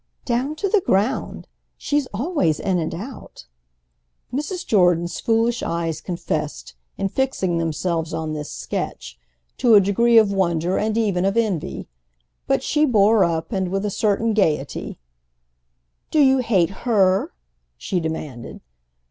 "Down to the ground! She's always in and out." Mrs. Jordan's foolish eyes confessed, in fixing themselves on this sketch, to a degree of wonder and even of envy. But she bore up and, with a certain gaiety, "Do you hate her?" she demanded.